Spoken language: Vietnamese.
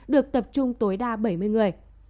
được tập trung tối đa bảy mươi người